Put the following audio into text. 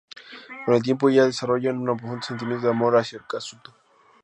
Con el tiempo ella desarrolla un profundo sentimiento de amor hacia Kazuto.